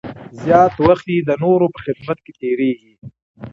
زیات وخت یې د نورو په خدمت کې تېرېږي.